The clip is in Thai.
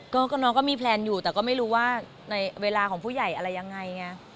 ก็น้องก็มีแพลนอยู่แต่ก็ไม่รู้ว่าในเวลาของผู้ใหญ่อะไรยังไงไง